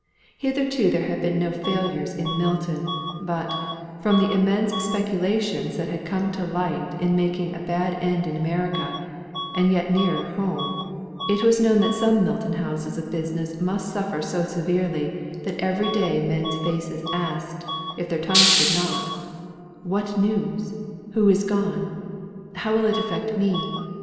Hitherto there had been no failures in Milton; but from the immense speculations that had come to light in making a bad end in America, and yet nearer home, it was known that some Milton houses of business must suffer so severely that every day men's faces asked, if their tongues did not, "What news? Who is gone? How will it affect me?"